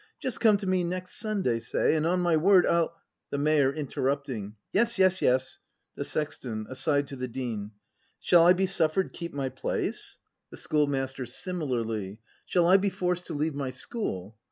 Just come to me next Sunday, say, And on my word I'll The Mayor. [Interrupting.] Yes, yes, yes! The Sexton. [Aside to the Dean.] Shall I be suffer'd keep my place.'' 278 BRAND [act v The Schoolmaster. [Similarly.] Shall I be forced to leave my school